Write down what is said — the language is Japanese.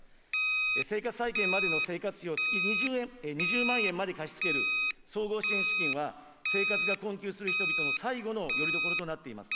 生活再建までの生活費を月２０円、２０万円まで貸し付ける総合支援資金は、生活が困窮する人々の最後のよりどころとなっています。